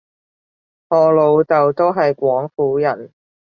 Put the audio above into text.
我老豆都係廣府人